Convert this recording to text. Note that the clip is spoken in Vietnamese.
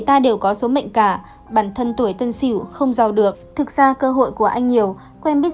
ta đều có số mệnh cả bản thân tuổi tân xỉu không giàu được thực ra cơ hội của anh nhiều quen biết